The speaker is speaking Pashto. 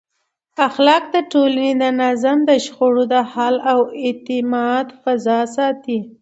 اخلاق د ټولنې د نظم، د شخړو د حل او د اعتماد فضا ساتي.